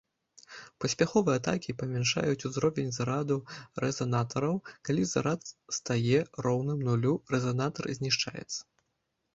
Паспяховыя атакі памяншаюць узровень зараду рэзанатараў, калі зарад стае роўным нулю рэзанатар знішчаецца.